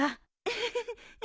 フフフ。